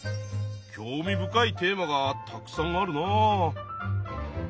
興味深いテーマがたくさんあるなあ。